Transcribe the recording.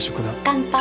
乾杯！